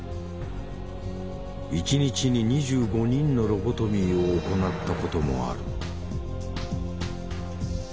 一日に２５人のロボトミーを行ったこともある。